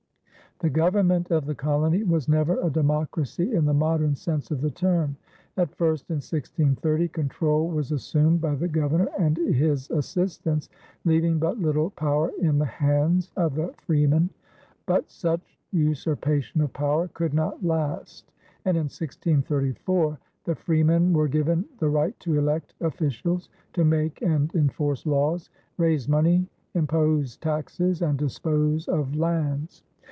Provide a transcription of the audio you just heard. The government of the colony was never a democracy in the modern sense of the term. At first in 1630, control was assumed by the governor and his assistants, leaving but little power in the hands of the freeman; but such usurpation of power could not last, and in 1634 the freemen were given the right to elect officials, to make and enforce laws, raise money, impose taxes, and dispose of lands.